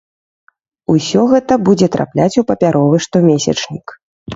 Усё гэта будзе трапляць у папяровы штомесячнік.